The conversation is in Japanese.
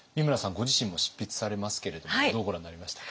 ご自身も執筆されますけれどもどうご覧になりましたか？